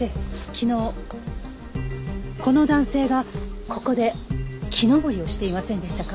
昨日この男性がここで木登りをしていませんでしたか？